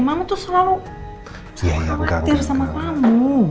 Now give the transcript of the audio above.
mama tuh selalu khawatir sama kamu